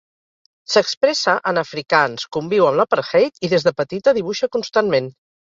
S'expressa en afrikaans, conviu amb l'apartheid i des de petita dibuixa constantment.